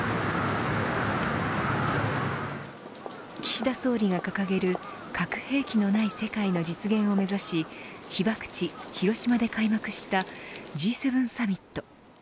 岸田総理が掲げる核兵器のない世界の実現を目指し被爆地、広島で開幕したＧ７サミット。